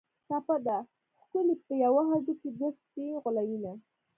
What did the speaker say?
ټپه ده: ښکلي په یوه هډوکي دوه سپي غولوینه